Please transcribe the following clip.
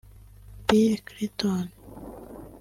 Bill Clinton